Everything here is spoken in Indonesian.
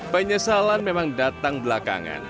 penyesalan memang datang belakangan